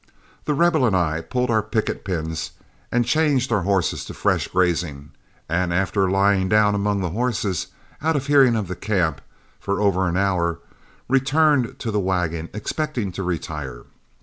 The Rebel and I pulled our picket pins and changed our horses to fresh grazing, and after lying down among the horses, out of hearing of the camp, for over an hour, returned to the wagon expecting to retire.